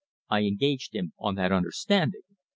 I engaged him on that understanding.